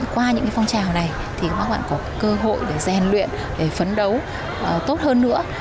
qua những phong trào này các bạn có cơ hội để rèn luyện phấn đấu tốt hơn nữa